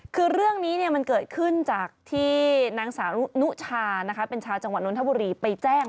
คือเรื่องนี้มันเกิดขึ้นจากที่นางสาวนุชาเป็นชาวจังหวัดนทบุรีไปแจ้ง